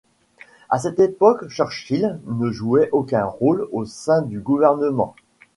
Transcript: À cette époque Churchill ne jouait aucun rôle au sein du gouvernement.